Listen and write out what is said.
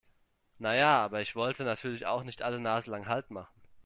Na ja, aber ich wollte natürlich auch nicht alle naselang Halt machen.